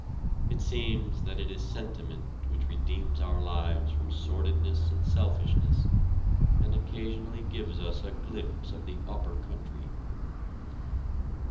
It seems that it is sentiment which redeems our lives from sordidness and selfishness, and occasionally gives us a glimpse of the upper country.